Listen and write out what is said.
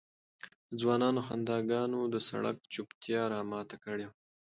د ځوانانو خنداګانو د سړک چوپتیا را ماته کړې وه.